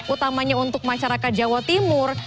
utamanya untuk masyarakat jawa timur